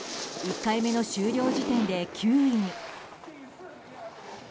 １回目の終了時点で９位に。